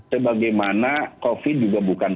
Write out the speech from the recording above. sebagaimana covid juga bukan